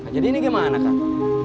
jadi ini gimana kang